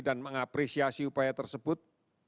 dan mengapresiasi upaya tersebut